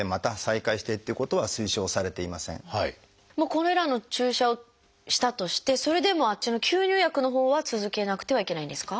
これらの注射をしたとしてそれでもあっちの吸入薬のほうは続けなくてはいけないんですか？